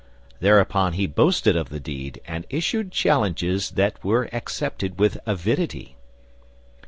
Thereupon he boasted of the deed, and issued challenges that were accepted with avidity....